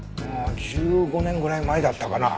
１５年ぐらい前だったかな。